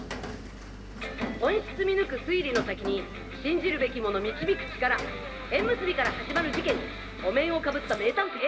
本質見抜く推理の先に信じるべきもの導く力縁結びから始まる事件お面をかぶった名探偵？